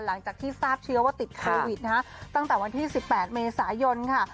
หลังจากที่ทราบเชื้อว่าติดโควิดนะฮะตั้งแต่วันที่๑๘เมษายนค่ะ